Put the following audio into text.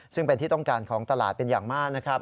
ซึ่งเป็นที่ต้องการของตลาดเป็นอย่างมากนะครับ